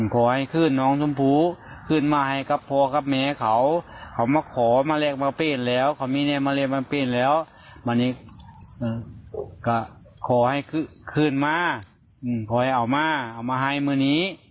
ขอให้ชุอมพูจะมามาให้พ่อเค้าแน็กทางมะแป้น